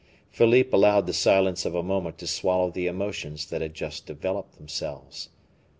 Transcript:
Philippe allowed the silence of a moment to swallow the emotions that had just developed themselves.